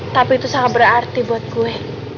tapi itu sangat berarti buat gue